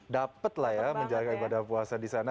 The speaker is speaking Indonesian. dapat lah ya menjaga ibadah puasa di sana